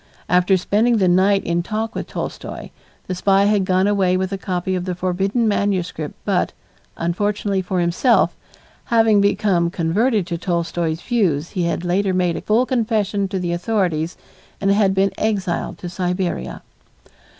After spending the night in talk with Tolstoy, the spy had gone away with a copy of the forbidden manuscript but, unfortunately for himself, having become converted to Tolstoy's views he had later made a full confession to the authorities and had been exiled to Siberia.